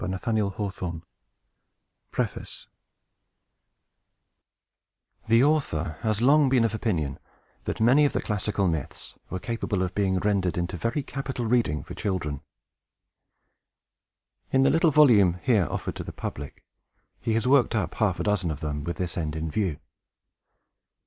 All Rights Reserved PREFACE The author has long been of opinion that many of the classical myths were capable of being rendered into very capital reading for children. In the little volume here offered to the public, he has worked up half a dozen of them, with this end in view.